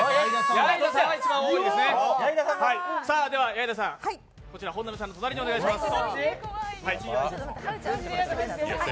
矢井田さん、本並さんの隣にお願いします。